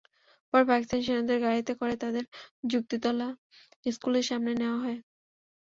পরে পাকিস্তানি সেনাদের গাড়িতে করে তাঁদের যুক্তিতলা স্কুলের সামনে নেওয়া হয়।